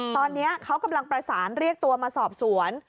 ตอนนี้เขากำลังประสานเรียกตัวมาสอบสวน